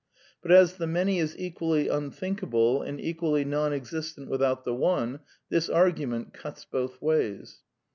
But as the Many is equally unthinkable and equally non existent without the One, this argument cuts both ways.